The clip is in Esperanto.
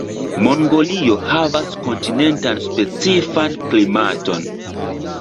Mongolio havas kontinentan specifan klimaton.